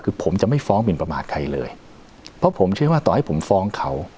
คือผมจะไม่ฟ้องหมินประมาทใครเลยเพราะผมเชื่อว่าต่อให้ผมฟ้องเขา